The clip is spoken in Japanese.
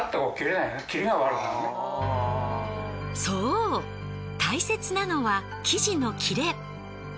そう大切なのは生地のキレ。